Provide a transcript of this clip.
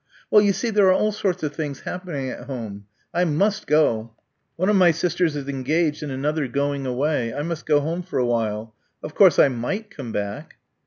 "Well, you see there are all sorts of things happening at home. I must go. One of my sisters is engaged and another going away. I must go home for a while. Of course I might come back."